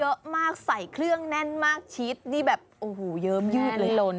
หน้าเยอะมากใส่เครื่องแน่นมากชีสนี่แบบเยิมยืดเลย